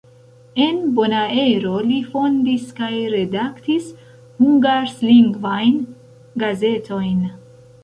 En Bonaero li fondis kaj redaktis hungasrlingvajn gazetojn.